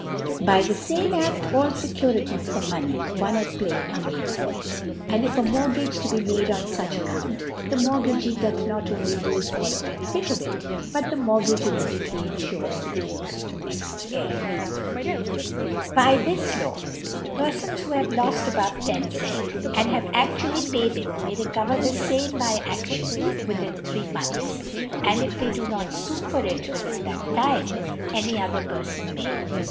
; By the fame Jlft, all. Securities for Mo . ney won at Piay, are made void , ^nd if a Mortgage be made on fuch Account, the * Mortgagee doth not only lofe all Benefit of • it, but ihi Mortgage immediately enures'to the Uic of : the hex t Htfir *i •^\^ By this Law, ;Perftms who haird' loft a ^ bove lo /. and have aftuaily paid it, may* recover the fame by Aftion withi^i three Months J and if they do not fue for itwith ^ in that Time, any other Pcrfon may J